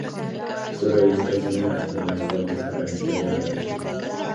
Su revista es una de las primeras fuentes para la historia de la región.